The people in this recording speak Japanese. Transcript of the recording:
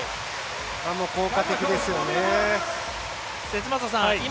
効果的ですよね。